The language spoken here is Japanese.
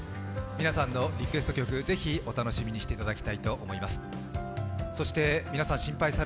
皆さんのリクエスト曲、ぜひ楽しみにしていただきたいと思います。